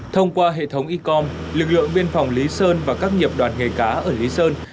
thông qua hệ thống ecom lực lượng biên phòng lý sơn và các nghiệp đoàn nghề cá ở lý sơn